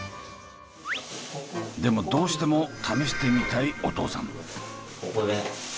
でもどうしても試してみたいお父さん。